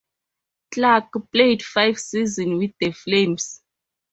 Clark played five seasons with the Flames.